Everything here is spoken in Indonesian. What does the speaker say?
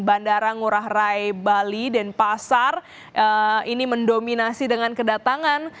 bandara ngurah rai bali denpasar ini mendominasi dengan kedatangan